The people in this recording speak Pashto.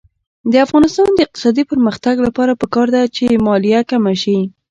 د افغانستان د اقتصادي پرمختګ لپاره پکار ده چې مالیه کمه شي.